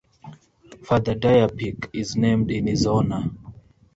Father Dyer Peak is named in his honor.